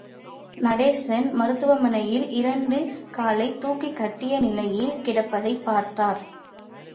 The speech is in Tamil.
நடேசன் மருத்துவமனையில் இரண்டு காலை தூக்கிக்கட்டிய நிலையில் கிடப்பதைப் பார்த்தார்.